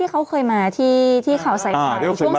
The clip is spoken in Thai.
เขาเคยมาที่เวลาใส่ผัอะ